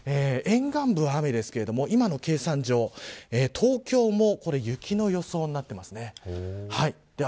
沿岸部は雨ですが、今の計算上東京も雪の予想になっていますね。